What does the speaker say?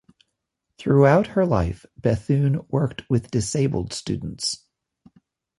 Throughout her life, Bethune worked with disabled students.